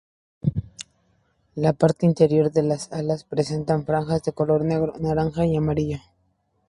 La parte interior de las alas presenta franjas de color negro, naranja y amarillo.